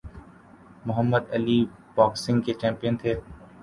محمد Ali boxing کے champion تھے۔